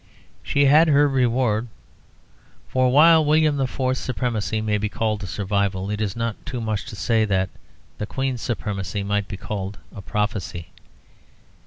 She had her reward. For while William IV.'s supremacy may be called a survival, it is not too much to say that the Queen's supremacy might be called a prophecy.